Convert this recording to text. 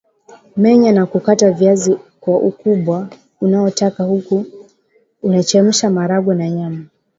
menya na kukata viazi kwa ukubwa unaotaka huku unachemsha maharage na nyama